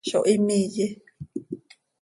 Zo him iiye.